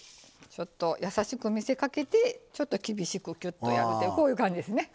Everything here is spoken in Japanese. ちょっと優しく見せかけてちょっと厳しくきゅっとやるってこういう感じですね。